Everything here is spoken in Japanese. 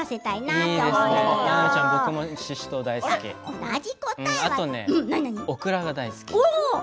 あとオクラ大好き。